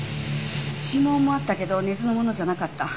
指紋もあったけど根津のものじゃなかった。